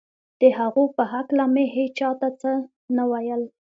د هغو په هکله مې هېچا ته څه نه ویل